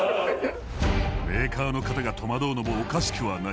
メーカーの方が戸惑うのもおかしくはない。